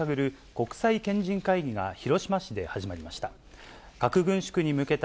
国際賢人会議が広島市で始まりました。